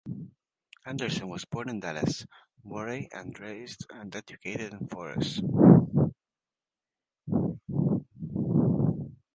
Anderson was born in Dallas, Moray and raised and educated in Forres.